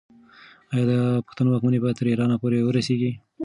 آیا د پښتنو واکمني به تر ایران پورې ورسیږي؟